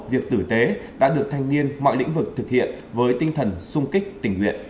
việc tử tế đã được thanh niên mọi lĩnh vực thực hiện với tinh thần sung kích tình nguyện